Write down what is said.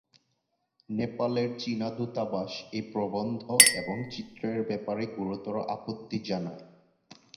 নেপালের চীনা দূতাবাস এই প্রবন্ধ এবং চিত্রের ব্যাপারে গুরুতর আপত্তি জানায়।